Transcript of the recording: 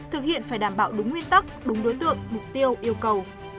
thực hiện phải đảm bảo đúng nguyên tắc đúng đối tượng mục tiêu yêu cầu